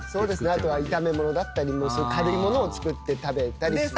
あとは炒め物だったり軽い物を作って食べたりします。